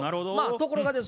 ところがです